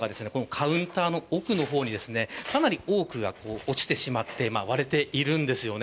カウンターの奥の方にかなり多くが落ちてしまって割れているんですよね。